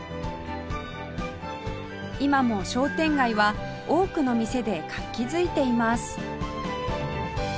今も商店街は多くの店で活気づいています